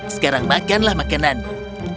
sekarang makanlah makanannya